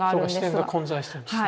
視点が混在してるんですね。